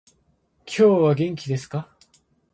今日は元気ですか？